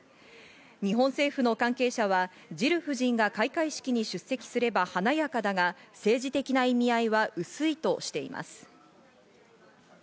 日本政府の関係者はジル夫人が開会式に出席すれば華やかだが政治的な意味合いは薄いとしています。